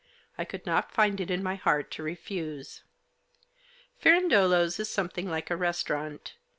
I could not find it in my heart to refuse. Firandolo's is something like a restaurant.